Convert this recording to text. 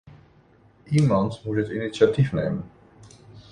Iemand moet het initiatief nemen.